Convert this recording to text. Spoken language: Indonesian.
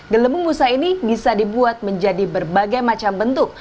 gelembung musa ini bisa dibuat menjadi berbagai macam bentuk